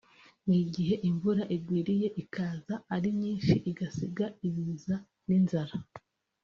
n’igihe imvura igwiriye ikaza ari nyinshi igasiga ibiza n’inzara